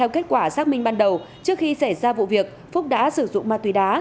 kết quả xác minh ban đầu trước khi xảy ra vụ việc phúc đã sử dụng ma túy đá